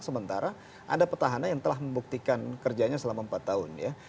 sementara ada petahana yang telah membuktikan kerjanya selama empat tahun ya